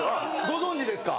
ご存じですか？